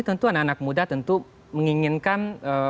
tentu anak anak muda tentu menginginkan